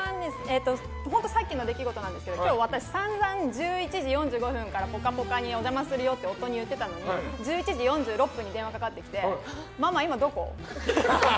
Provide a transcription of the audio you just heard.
本当さっきの出来事なんですけど今日、私、散々１１時４５分から「ぽかぽか」にお邪魔するよって夫に言っていたのに１１時４６分に電話がかかってきてママ、今どこ？